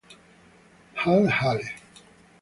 Hal Hale